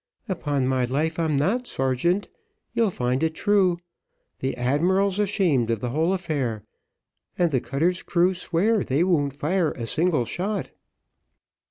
"Upon my life I'm not, sergeant, you'll find it true; the admiral's ashamed of the whole affair, and the cutter's crew swear they won't fire a single shot."